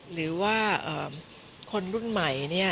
หรือว่าคนรุ่นใหม่